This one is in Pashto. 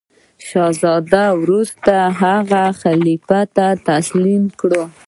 شهزاده وروسته هغه خلیفه ته تسلیم کړ.